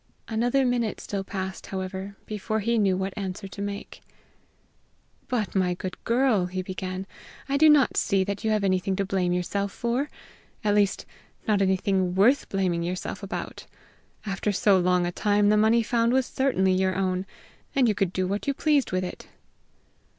Another minute still passed, however, before he knew what answer to make. "But, my good girl," he began, "I do not see that you have anything to blame yourself for at least, not anything worth blaming yourself about. After so long a time, the money found was certainly your own, and you could do what you pleased with it."